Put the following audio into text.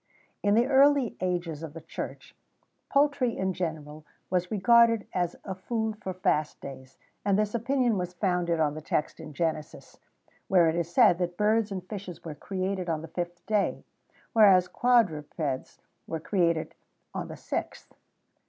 [XVII 3] In the early ages of the Church, poultry in general was regarded as a food for fast days; and this opinion was founded on the text in Genesis, where it is said that birds and fishes were created on the fifth day, whereas quadrupeds were created on the sixth.